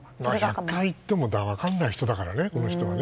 １００回言っても分からない人だからね、この人は。